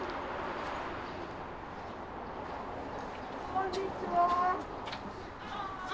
こんにちは。